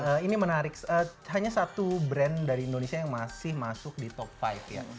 oke ini menarik hanya satu brand dari indonesia yang masih masuk di top lima ya